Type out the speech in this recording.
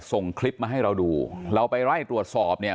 ส่งคลิปมาให้เราดูเราไปไล่ตรวจสอบเนี่ย